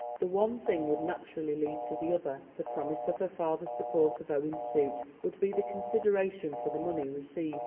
The one thing would naturally lead to the other—the promise of her father's support of Owen's suit would be the consideration for the money received.